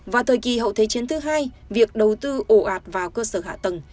và thời kỳ hậu thế chiến thứ hai việc đầu tư ổ ạt vào cơ sở hạ tầng